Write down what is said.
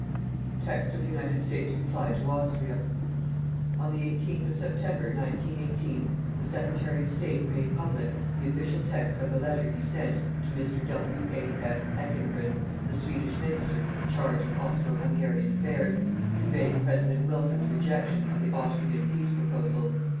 TEXT OF UNITED STATES REPLY TO AUSTRIA. On the 18th of September, 1918, the Secretary of State made public the official text of the letter he sent, to Mr. W. A. F. Ekengren, the Swedish Minister, in charge of Austro Hungarian affairs, conveying President Wilson's rejection of the Austrian peace proposals.